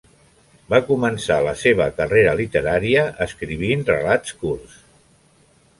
Va començar la seva carrera literària escrivint relats curts.